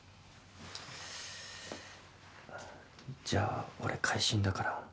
じゃあ俺回診だから。